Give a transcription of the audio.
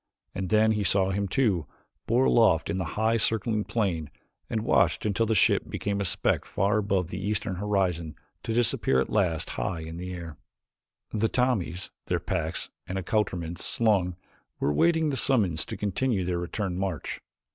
And then he saw him too borne aloft in the high circling plane and watched until the ship became a speck far above the eastern horizon to disappear at last high in air. The Tommies, their packs and accouterments slung, were waiting the summons to continue their return march.